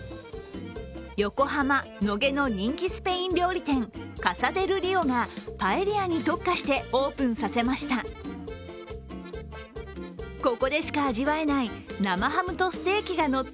横浜・野毛の人気スペイン料理店カサデルリオがパエリアに特化してオープンさせました。